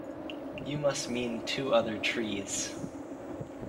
You must mean two other trees.